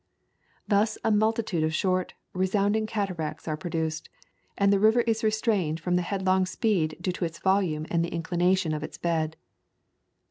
Thus a multitude of short, resounding cataracts are produced, and the river is restrained from the headlong speed due to its volume and the in clination of its bed.